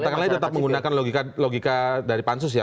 katakanlah ini tetap menggunakan logika dari pansus ya